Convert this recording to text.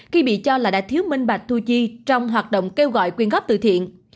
khi bị cho là đã thiếu minh bạch thu chi trong hoạt động kêu gọi quyên góp từ thiện